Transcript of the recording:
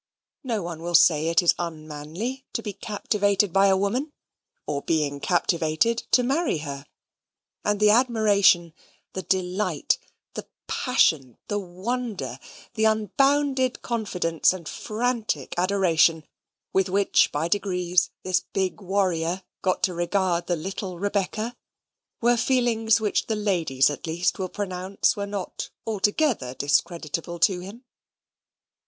No one will say it is unmanly to be captivated by a woman, or, being captivated, to marry her; and the admiration, the delight, the passion, the wonder, the unbounded confidence, and frantic adoration with which, by degrees, this big warrior got to regard the little Rebecca, were feelings which the ladies at least will pronounce were not altogether discreditable to him.